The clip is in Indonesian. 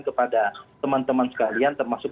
kepada teman teman sekalian termasuk